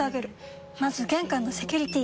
まず玄関のセキュリティ！